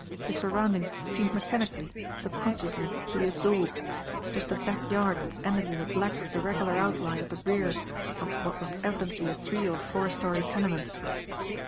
His surroundings seemed mechanically, subconsciously, to be absorbed just a back yard that ended in the black, irregular outline of the rear of what was evidently a three or four story tenement.